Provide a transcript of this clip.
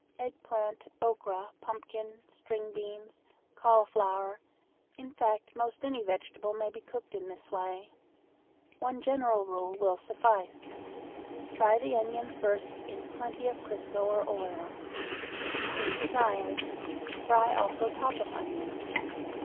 Eggplant, okra, pumpkin, string beans, cauliflower, in fact most any vegetable may be cooked in this way. One general rule will suffice: Fry the onions first in plenty of crisco or oil. If desired, fry also top of onions.